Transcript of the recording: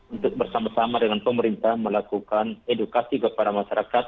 untuk bersama sama dengan pemerintah melakukan edukasi kepada masyarakat